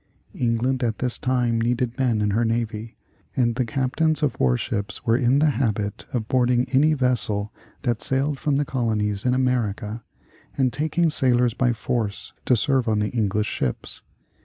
England at this time needed men in her navy, and the captains of war ships were in the habit of boarding any vessel that sailed from the colonies in America and taking sailors by force to serve on the English ships.